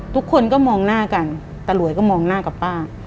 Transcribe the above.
ทุกคนก็มองหน้ากันตาหลวยก็มองหน้ากับป้า